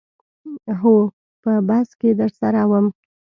هو په بس کې درسره وم.